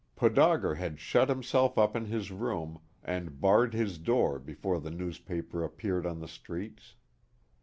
Podauger had shut himself up in his room, and barred his door before the newspaper appeared on the streets.